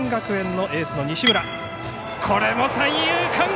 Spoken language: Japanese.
これも三遊間。